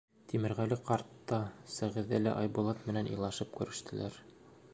Тимерғәле ҡарт та, Сәғиҙә лә Айбулат менән илашып күрештеләр.